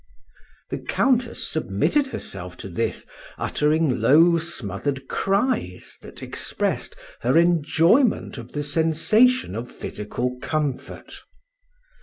The Countess submitted herself to this, uttering low smothered cries that expressed her enjoyment of the sensation of physical comfort.